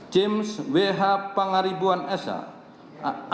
james weha pangaribuan shmh